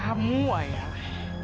sekarang kamu hilang lagi dari hatiku